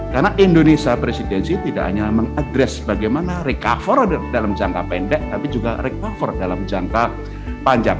karena indonesia presidensi tidak hanya mengadres bagaimana recover dalam jangka pendek tapi juga recover dalam jangka panjang